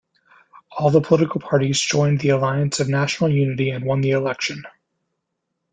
All the Political Parties joined the alliance of national unity and won the election.